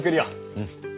うん。